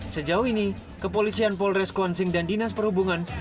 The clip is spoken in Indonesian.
sejauh ini kepolisian polres kuan sing dan dinas perhubungan